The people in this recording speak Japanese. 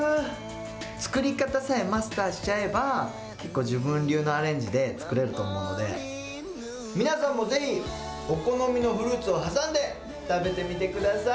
作り方さえマスターしちゃえば、結構、自分流のアレンジで作れると思うので、皆さんもぜひ、お好みのフルーツを挟んで、食べてみてください。